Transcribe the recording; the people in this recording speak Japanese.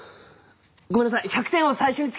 ごめんなさい！